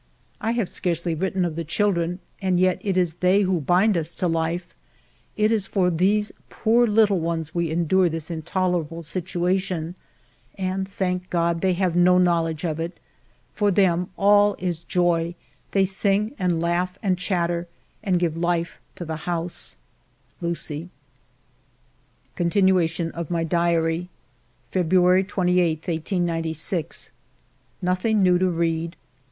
..." I have scarcely written of the children, and yet it is they who bind us to life, it is for these poor little ones we endure this intolerable situation, and, thank God, they have no knowledge of it. For them all is joy ; they sing and laugh and chatter, and give life to the house. ... Lucie." ALFRED DREYFUS 195 Continuation of my Diary February 28, 1896. Nothing new to read.